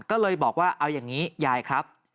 ก็เลยบอกว่าเอาอย่างนี้ยายครับ